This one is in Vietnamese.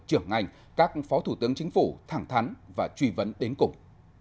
trưởng ngành các phó thủ tướng chính phủ thẳng thắn và truy vấn đến cùng